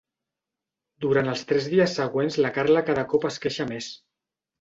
Durant els tres dies següents la Carla cada cop es queixa més.